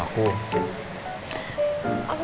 aku kangen banget sama kamu